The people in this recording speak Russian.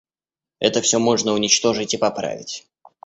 Это всё можно уничтожить и поправить.